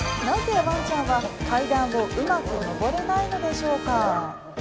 なぜワンちゃんは階段をうまく上れないのでしょうか。